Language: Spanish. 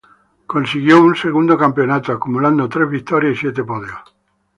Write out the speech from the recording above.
Consiguió su segundo campeonato, acumulando tres victorias y siete podios.